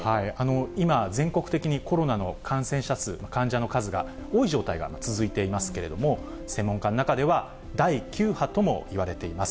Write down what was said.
今、全国的にコロナの感染者数、患者の数が多い状態が続いていますけれども、専門家の中では、第９波ともいわれています。